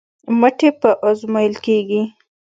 مټې به ازمویل کېږي.